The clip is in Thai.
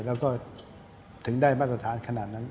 แล้วก็ถึงได้มาตรฐานขนาดนั้น